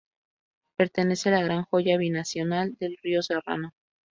Pertenece a la gran hoya binacional del río Serrano.